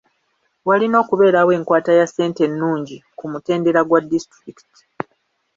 Walina okubeerawo enkwata ya ssente ennungi ku mutendera gwa disitulikiti.